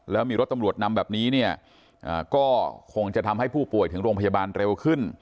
แล้วมีรถตำรวจนำแบบนี้เนี่ยก็คงจะทำให้ผู้ป่วยถึงโรงพยาบาลเร็วขึ้น